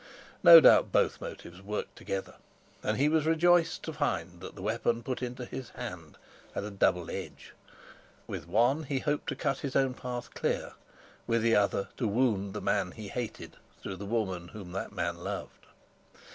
No doubt both motives worked together, and he was rejoiced to find that the weapon put into his hand had a double edge; with one he hoped to cut his own path clear; with the other, to wound the man he hated through the woman whom that man loved.